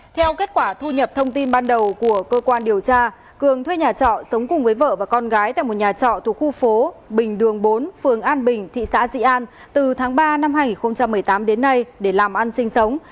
theo kết quả thu nhập thông tin ban đầu của cơ quan điều tra cường thuê nhà trọ sống cùng với vợ và con gái tại một nhà trọ thuộc khu phố bình đường bốn phường an bình thị xã di an từ tháng ba năm hai nghìn một mươi tám đến nay để làm ăn sinh sống